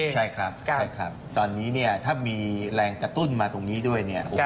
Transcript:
ใช่ครับใช่ครับตอนนี้เนี่ยถ้ามีแรงกระตุ้นมาตรงนี้ด้วยเนี่ย